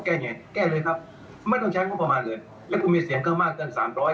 แก้ไงแก้เลยครับไม่ต้องใช้งบประมาณเลยแล้วกูมีเสียงข้างมากเกินสามร้อย